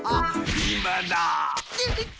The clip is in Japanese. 今だ！